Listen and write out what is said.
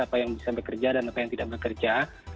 apa yang bisa bekerja dan apa yang tidak bekerja